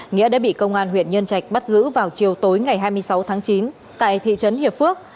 nghĩa đã bị công an huyện nhân trạch bắt giữ vào chiều tối ngày hai mươi sáu tháng chín tại thị trấn hiệp phước